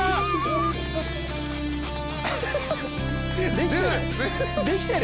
できてる？